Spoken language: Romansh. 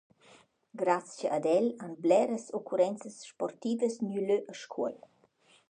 Grazcha ad el han bleras occurrenzas sportivas gnü lö a Scuol.